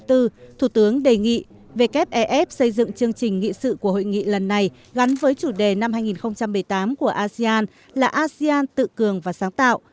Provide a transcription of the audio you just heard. thủ tướng đề nghị wfef xây dựng chương trình nghị sự của hội nghị lần này gắn với chủ đề năm hai nghìn một mươi tám của asean là asean tự cường và sáng tạo